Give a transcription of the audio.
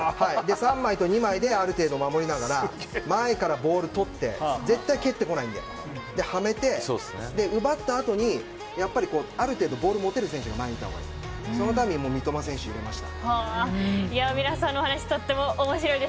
３枚と２枚である程度守りながら前からボールを取って絶対蹴ってこないんでで、はめて、奪った後にやっぱりある程度ボール持てる選手が前にいた方がいい、そのためにも皆さんの話とっても面白いです。